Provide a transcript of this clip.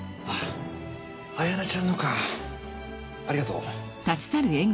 あぁ彩名ちゃんのかありがとう。